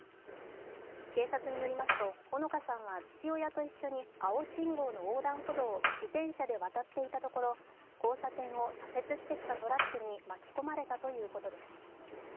警察によりますと穂香さんは父親と一緒に青信号の横断歩道を自転車で渡っていたところ交差点を左折してきたトラックに巻き込まれたということです。